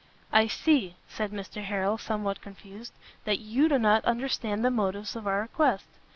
"I see," said Mr Harrel, somewhat confused, "you do not understand the motives of our request.